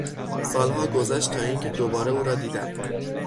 سالها گذشت تا اینکه دوباره او را دیدم.